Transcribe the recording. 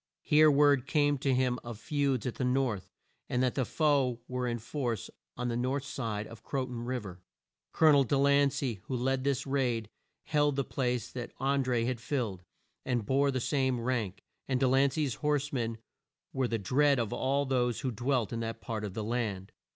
Here word came to him of feuds at the North, and that the foe were in force on the north side of Cro ton Riv er. Col o nel De lan cey, who led this raid, held the place that An dré had filled, and bore the same rank, and De lan cey's horse men were the dread of all those who dwelt in that part of the land.